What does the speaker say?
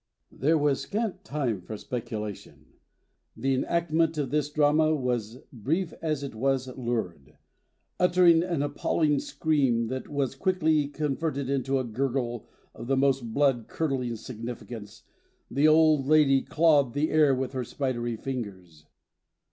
There was scant time for speculation. The enactment of this drama was brief as it was lurid; uttering an appalling scream that was quickly converted into a gurgle of the most blood curdling significance, the old lady clawed the air with her spidery fingers.